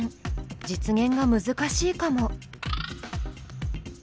実現が難しいかも。